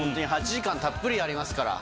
８時間たっぷりありますから。